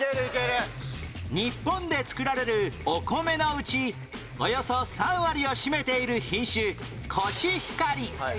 日本で作られるお米のうちおよそ３割を占めている品種コシヒカリ